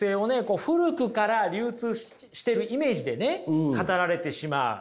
古くから流通してるイメージでね語られてしまう。